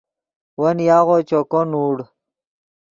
ون یاغو چوکو نوڑ